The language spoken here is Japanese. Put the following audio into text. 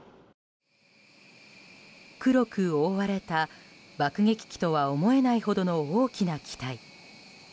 黒く覆われた爆撃機とは思えないほどの大きな機体。